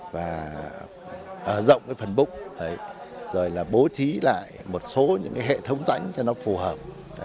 và rộng phần búc rồi bố trí lại một số hệ thống dãnh cho nó phù hợp